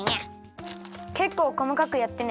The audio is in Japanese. けっこうこまかくやってね。